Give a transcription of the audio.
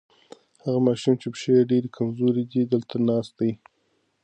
هغه ماشوم چې پښې یې ډېرې کمزورې دي دلته ناست دی.